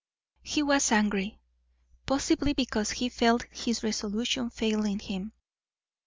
He was angry; possibly because he felt his resolution failing him.